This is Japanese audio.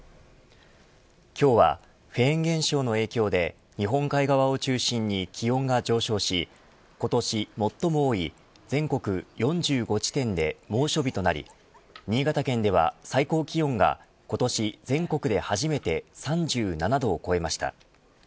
今日はフェーン現象の影響で日本海側を中心に気温が上昇し今年最も多い全国４５地点で猛暑日となり新潟県では最高気温が今年全国で初めて３７度を超えました。